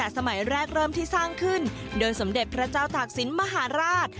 สมัยแรกเริ่มที่สร้างขึ้นโดยสมเด็จพระเจ้าตากศิลป์มหาราช